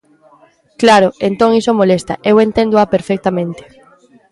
Claro, entón iso molesta, eu enténdoa perfectamente.